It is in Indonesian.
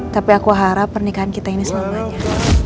tapi aku harap pernikahan kita ini selamanya